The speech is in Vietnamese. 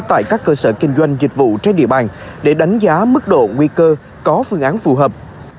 tại các cơ sở kinh doanh dịch vụ trên địa bàn để đánh giá mức độ nguy cơ có phương án phù hợp